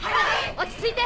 落ち着いて！